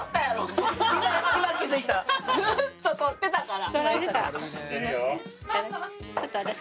ずっと撮ってたから。